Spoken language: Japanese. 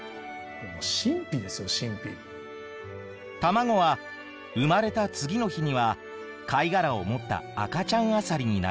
卵は生まれた次の日には貝殻を持った赤ちゃんアサリになる。